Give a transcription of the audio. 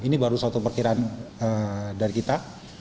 ini baru satu perkiraan dari kita